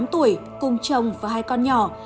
hai mươi tám tuổi cùng chồng và hai con nhỏ